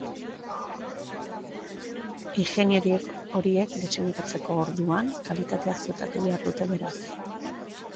Ingeniariek horiek diseinatzerako orduan kalitatea ziurtatu behar dute, beraz.